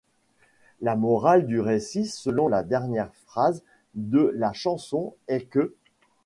La morale du récit, selon la dernière phrase de la chanson, est qu’.